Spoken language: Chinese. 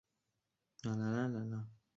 泡核桃为胡桃科胡桃属下的一个种。